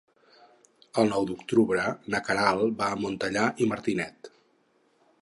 El nou d'octubre na Queralt va a Montellà i Martinet.